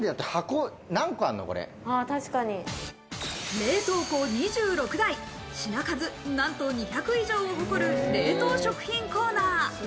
冷凍庫２６台、品数、なんと２００以上を誇る冷凍食品コーナー。